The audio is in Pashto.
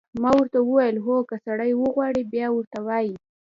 ما ورته وویل: هو، که سړی وغواړي، بیا ورته وایي.